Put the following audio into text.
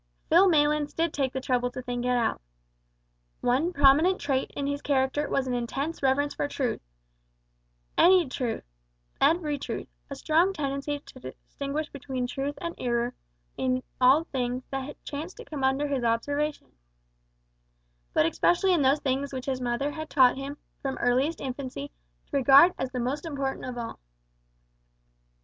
Phil Maylands did take the trouble to think it out. One prominent trait in his character was an intense reverence for truth any truth, every truth a strong tendency to distinguish between truth and error in all things that chanced to come under his observation, but especially in those things which his mother had taught him, from earliest infancy, to regard as the most important of all.